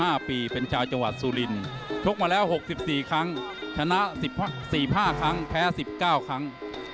อายุ๑๕ปีเป็นชาวจังหวัดซูลินชกมาแล้ว๖๔ครั้งชนะ๔๕ครั้งแพ้๑๙ครั้ง